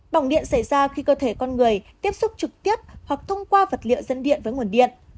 bỏng điện xảy ra khi cơ thể con người tiếp xúc trực tiếp hoặc thông qua vật liệu dân điện với nguồn điện